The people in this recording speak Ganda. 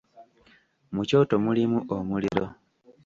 Mu kyoto mulimu omuliro.